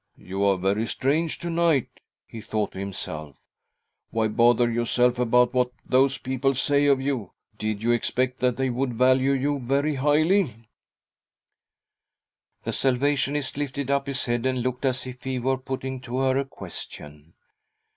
" You are very strange to night," he thought to himself. " Why bother yourself about I s ■ 1 88 THY SOUL SHALL BEAR WITNESS ! I 89 what those people say of you? Did you expect that they would value you very highly ?"• The Salvationist lifted up his head and looked as if he were putting to her a question.